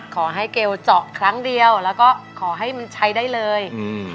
เกลเจาะครั้งเดียวแล้วก็ขอให้มันใช้ได้เลยอืม